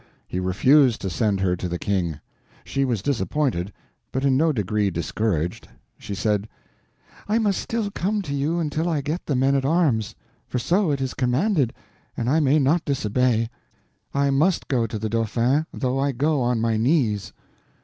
He refused to send her to the King. She was disappointed, but in no degree discouraged. She said: "I must still come to you until I get the men at arms; for so it is commanded, and I may not disobey. I must go to the Dauphin, though I go on my knees."